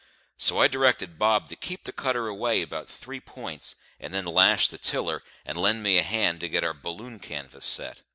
So I directed Bob to keep the cutter away about three points, and then lash the tiller, and lend me a hand to get our balloon canvas set.